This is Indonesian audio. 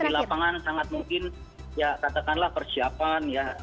jadi di lapangan sangat mungkin ya katakanlah persiapan ya